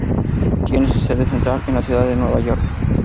Tiene su sede central en la ciudad de Nueva York.